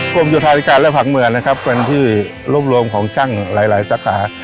กรมจุธาธิการและผังเมืองนะครับเป็นที่รวบรวมของช่างหลายสาขา